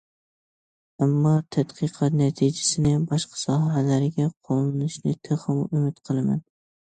ئەمما تەتقىقات نەتىجىسىنى باشقا ساھەلەرگە قوللىنىشىنى تېخىمۇ ئۈمىد قىلىمەن.